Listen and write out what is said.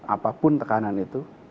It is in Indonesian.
apapun tekanan itu